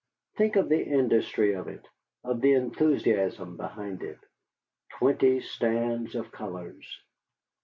Think of the industry of it, of the enthusiasm behind it! Twenty stands of colors!